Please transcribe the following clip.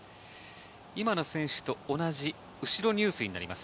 今の選手と同じ後ろ入水になります。